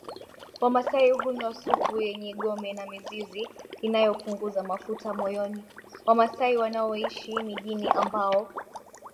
Wamasai hunywa supu yenye gome na mizizi inayopunguza mafuta moyoni Wamasai wanaoishi mijini ambao